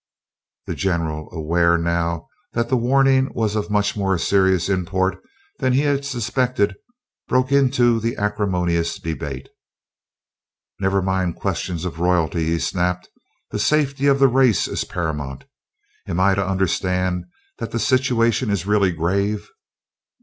The general, aware now that the warning was of much more serious import than he had suspected, broke into the acrimonious debate. "Never mind questions of royalty!" he snapped. "The safety of the race is paramount. Am I to understand that the situation is really grave?"